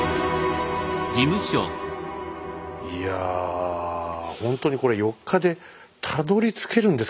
⁉いやほんとにこれ４日でたどりつけるんですかね？